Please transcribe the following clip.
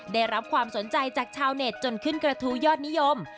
ได้รับความสนใจจากชาวเน็ตจนขึ้นกระทู้ยอดนิยม